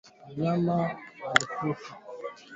vikilenga viongozi katika makundi ya upinzani